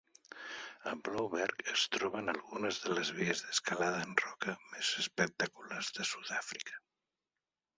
A Blouberg es troben algunes de les vies d'escalada en roca més espectaculars de Sud-àfrica.